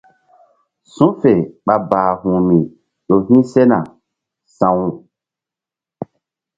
Su̧ fe ɓa bahu̧hmi ƴo hi̧ sena sa̧w.